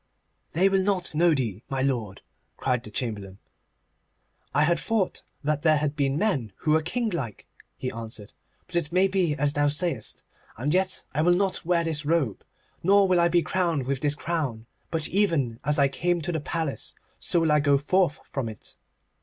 'They will not know thee, my lord,' cried the Chamberlain. 'I had thought that there had been men who were kinglike,' he answered, 'but it may be as thou sayest. And yet I will not wear this robe, nor will I be crowned with this crown, but even as I came to the palace so will I go forth from it.